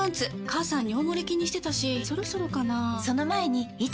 母さん尿モレ気にしてたしそろそろかな菊池）